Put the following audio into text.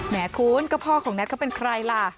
แม่คุณก็พ่อของแท็ตเขาเป็นใครล่ะ